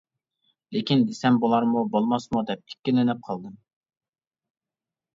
لېكىن دېسەم بولارمۇ، بولماسمۇ دەپ ئىككىلىنىپ قالدىم.